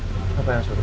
siapa yang suruh